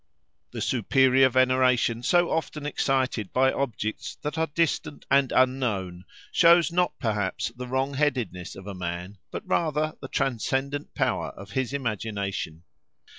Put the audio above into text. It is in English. The superior veneration so often excited by objects that are distant and unknown shows not perhaps the wrongheadedness of a man, but rather the transcendent power of his imagination.